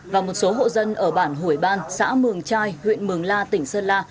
và một số hộ dân ở bản hủy ban xã mường trai huyện mường la tỉnh sơn la